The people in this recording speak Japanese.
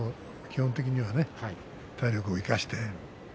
基本的にはね、体力を生かして。